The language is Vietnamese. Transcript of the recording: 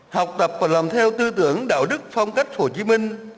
học tập và làm theo tư tưởng đạo đức phong cách hồ chí minh